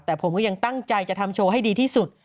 แต่ผมก็ยังตั้งใจจะทำโชว์ให้ดีที่สุด